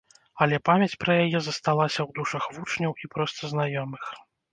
Але памяць пра яе засталася ў душах вучняў і проста знаёмых.